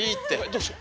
どうしよ。